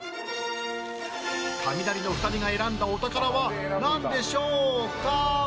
カミナリの２人が選んだお宝は何でしょうか。